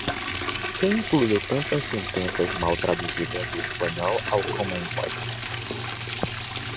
Quem incluiu tantas sentenças mal traduzidas do espanhol ao Common Voice?